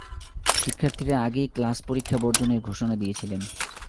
শিক্ষার্থীরা আগেই ক্লাস পরীক্ষা বর্জনের ঘোষণা দিয়েছিলেন।